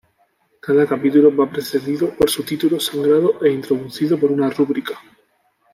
Cada capítulo va precedido por su título, sangrado e introducido por una rúbrica.